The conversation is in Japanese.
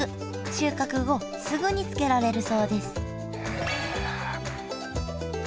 収穫後すぐに漬けられるそうです